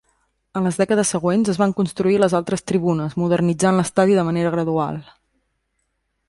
En les dècades següents es van construir les altres tribunes, modernitzant l'estadi de manera gradual.